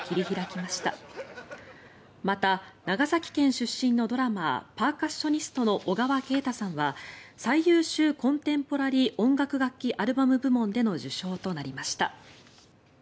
また、長崎県出身のドラマーパーカッショニストの小川慶太さんは最優秀コンテンポラリー音楽楽器アルバム部門での受賞となりました。